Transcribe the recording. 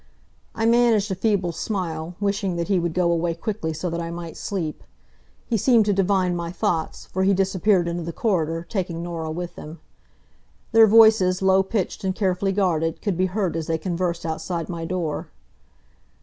I managed a feeble smile, wishing that he would go away quickly, so that I might sleep. He seemed to divine my thoughts, for he disappeared into the corridor, taking Norah with him. Their voices, low pitched and carefully guarded, could be heard as they conversed outside my door.